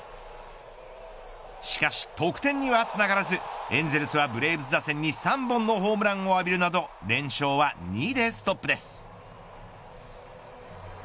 しかし、得点にはつながらずエンゼルスはブレーブス打線に３本のホームランを浴びるなど連勝は２でストップです。